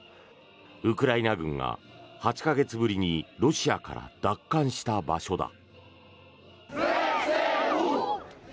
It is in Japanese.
ウクライナ軍が８か月ぶりにロシアから奪還した場所だ。